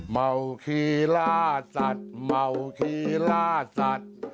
เมาคีล่าสัตว์เมาขี่ล่าสัตว์